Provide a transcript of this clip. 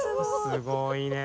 すごいね。